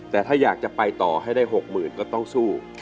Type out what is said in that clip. แต่ถ้าอยากจะไปต่อให้ได้๖๐๐๐ก็ต้องสู้